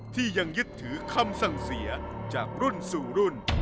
ที่ยังยึดถือคำสั่งเสียจากรุ่นสู่รุ่น